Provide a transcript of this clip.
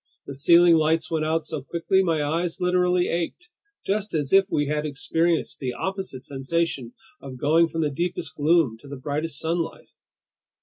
The ceiling lights went out so quickly, my eyes literally ached, just as if we had experienced the opposite sensation of going from the deepest gloom to the brightest sunlight.